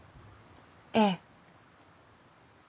ええ。